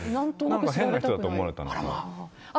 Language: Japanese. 変な人だと思われたのか。